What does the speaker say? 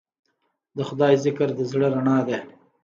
د خدای ذکر د زړه رڼا ده.